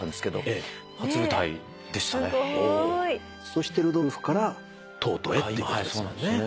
そしてルドルフからトートへっていうことですもんね。